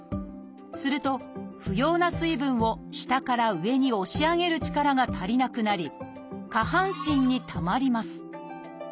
すると不要な水分を下から上に押し上げる力が足りなくなり下半身にたまります。